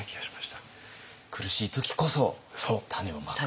苦しい時こそ種をまく。